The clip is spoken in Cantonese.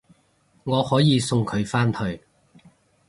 我可以送佢返去